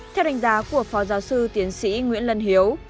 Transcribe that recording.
theo đánh giá của phó giáo sư tiến sĩ nguyễn lân hiếu